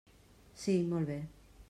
Sí, molt bé.